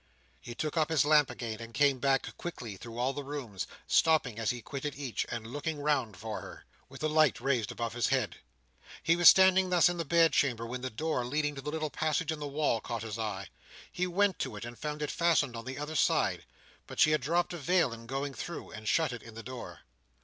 He took up his lamp again, and came back quickly through all the rooms, stopping as he quitted each, and looking round for her, with the light raised above his head. He was standing thus in the bed chamber, when the door, leading to the little passage in the wall, caught his eye. He went to it, and found it fastened on the other side; but she had dropped a veil in going through, and shut it in the door.